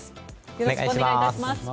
よろしくお願いします。